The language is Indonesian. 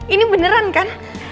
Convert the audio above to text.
ini beneran kan